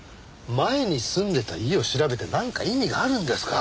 前に住んでいた家を調べてなんか意味があるんですか？